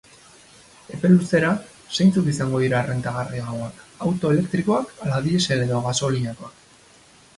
Epe luzera, zeintzuk dira errentagarriagoak, auto elektrikoak ala diesel edo gasolinakoak?